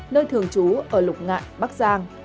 nơi thường trú ở lục ngạn bắc giang